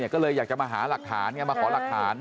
ก็เลยอยากจะมาหาหลักฐานไงมาขอหลักฐาน